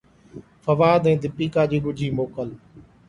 فواد ۽ ديپيڪا جي ڳجهي موڪل